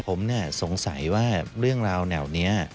ผมสงสัยว่าเรื่องราวแนวนี้